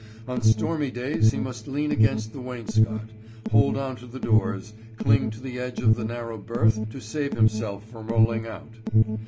On stormy days he must lean against the wainscot, hold on to the doors, cling to the edge of the narrow berth to save himself from rolling out.